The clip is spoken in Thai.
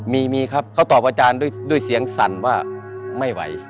มีครับเขาตอบอาจารย์ด้วยเสียงสั่นว่าไม่ไหว